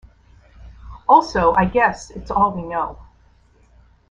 Also I guess it's all we know.